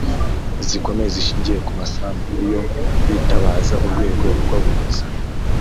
zikomeye zishingiye ku masambu iyo bitabaza urwego rw’abunzi